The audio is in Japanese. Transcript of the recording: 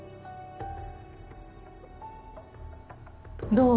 どう？